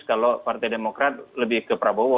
kalau partai demokrat lebih ke prabowo